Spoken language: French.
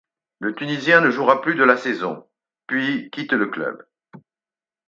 Le Tunisien ne jouera plus de la saison puis quitte le club.